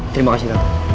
terima kasih tante